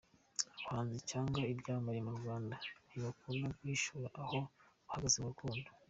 Abahanzi cyangwa ibyamamare mu Rwanda ntibakunda guhishura aho bahagaze mu rukundo .